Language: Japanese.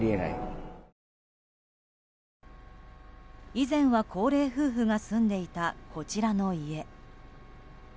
以前は高齢夫婦が住んでいたこちらの家。